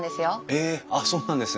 えあっそうなんですね。